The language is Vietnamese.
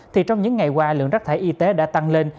thì trong những ngày qua lượng rác thải y tế đã tăng lên